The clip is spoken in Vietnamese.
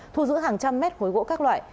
thu giữ hàng trăm mét khối gỗ các loại